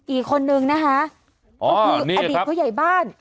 อีกคนนึงนะคะก็คืออดีตผู้ใหญ่บ้าน